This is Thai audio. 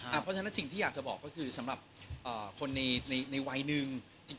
เพราะฉะนั้นสิ่งที่อยากจะบอกก็คือสำหรับคนในวัยหนึ่ง